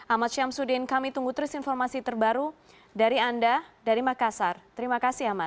amat syamsudin kami tunggu terus informasi terbaru dari anda dari makassar terima kasih amat